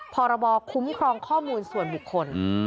พรบคุ้มครองข้อมูลส่วนบุคคล